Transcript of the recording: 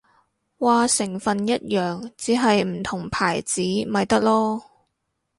話成分一樣，只係唔同牌子咪得囉